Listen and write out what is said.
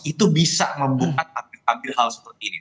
itu bisa membuka tampil sambil hal seperti ini